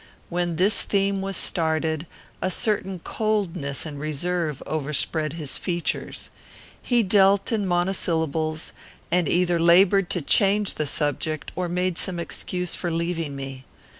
When this theme was started, a certain coldness and reserve overspread his features. He dealt in monosyllables, and either laboured to change the subject or made some excuse for leaving me.